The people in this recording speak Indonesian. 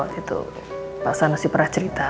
waktu itu pak sanusi pernah cerita